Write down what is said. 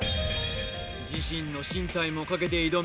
自身の進退もかけて挑む